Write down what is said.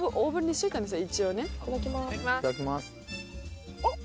いただきます。